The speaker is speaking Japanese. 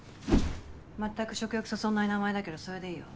まったく食欲そそんない名前だけどそれでいいよ。